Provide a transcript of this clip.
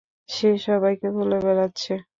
সে সবাইকে বলে বেড়াচ্ছে।